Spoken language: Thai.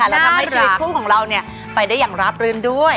น่ารักแล้วทำให้ชีวิตผู้ของเราเนี่ยไปได้อย่างราบรื่นด้วย